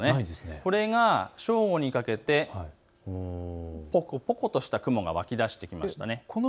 これが正午にかけてぽこぽことした雲が湧き出してきました。